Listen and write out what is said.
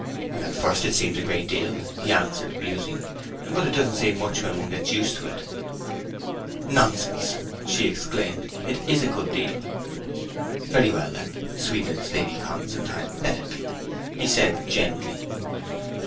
'At first it seems a great deal,' he answered, musing. 'But it doesn't seem much when one gets used to it.' 'Nonsense!' she exclaimed. 'It is a good deal.' 'Very well, then, sweetest Lady Constantine, let it be,' he said gently.